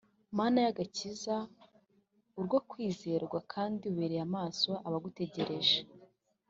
Mana y’ agakiza uruwo kwizerwa kd ubereye amaso abagutegereje